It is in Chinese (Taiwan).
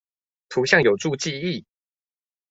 圖像有助記憶！